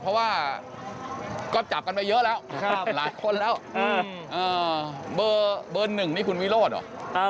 เพราะว่าก็จับกันไปเยอะแล้วหลายคนแล้วเบอร์หนึ่งนี่คุณวิโรธเหรอ